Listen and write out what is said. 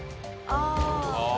ああ！